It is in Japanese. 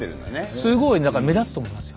すごいだから目立つと思いますよ。